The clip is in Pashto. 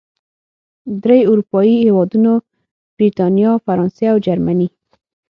درې اروپايي هېوادونو، بریتانیا، فرانسې او جرمني